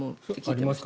ありますか？